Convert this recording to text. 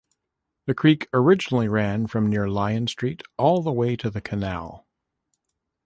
The Creek originally ran from near Lyon Street all the way to the canal.